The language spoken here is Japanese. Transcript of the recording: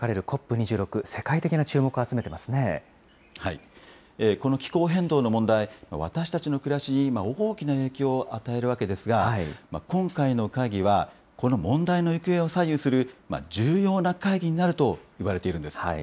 ２６、世界的な注目を集めてまこの気候変動の問題、私たちの暮らしに今、大きな影響を与えるわけですが、今回の会議は、この問題の行方を左右する重要な会議になるといわれているんです。